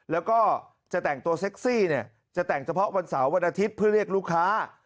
แล้วก็จะแต่งตัวเซ็กซี่เนี่ยจะแต่งเฉพาะวันเสาร์วันอาทิตย์เพื่อเรียกลูกค้า